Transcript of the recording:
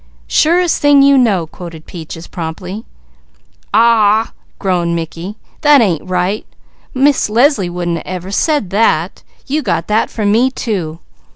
_" "Surest thing you know," quoted Peaches promptly. "Aw w w ah!" groaned Mickey. "That ain't right! Miss Leslie wouldn't ever said that! You got that from me, too!